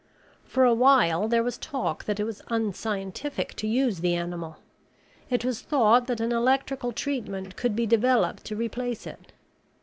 For a while, there was talk that it was unscientific to use the animal. It was thought that an electrical treatment could be developed to replace it.